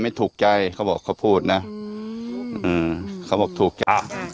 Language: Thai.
ไม่ถูกใจเขาบอกเขาพูดนะอืมเขาบอกถูกจ้า